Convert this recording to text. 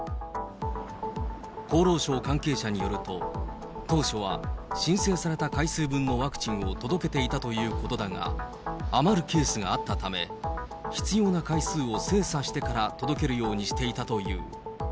厚労省関係者によると、当初は申請された回数分のワクチンを届けていたということだが、余るケースがあったため、必要な回数を精査してから届けるようにしていたという。